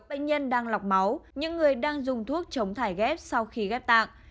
bệnh nhân đang lọc máu những người đang dùng thuốc chống thải ghép sau khi ghép tạng